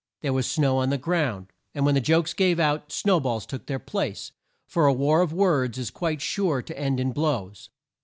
There was snow on the ground, and when the jokes gave out, snow balls took their place, for a war of words is quite sure to end in blows.